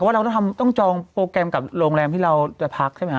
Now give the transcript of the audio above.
ก็คือหมายความว่าเราต้องจองโปรแกรมกับโรงแรมที่เราจะพักใช่มั้ยคะ